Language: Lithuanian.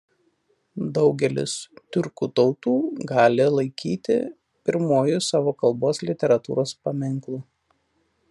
Daugelis tiurkų tautų gali laikyti pirmuoju savo kalbos literatūros paminklu.